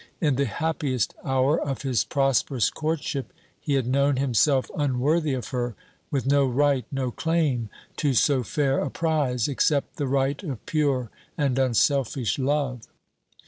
In the happiest hour of his prosperous courtship he had known himself unworthy of her, with no right, no claim, to so fair a prize, except the right of pure and unselfish love.